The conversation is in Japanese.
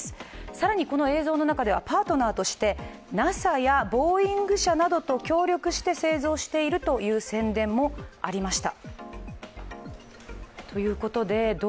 更にこの映像の中ではパートナーとしてＮＡＳＡやボーイング社と協力して製造しているという宣伝もありました。